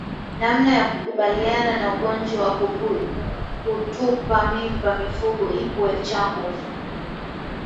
Namna yakukabiliana na ugonjwa wa kutupa mimba mifugo ipwe chanjo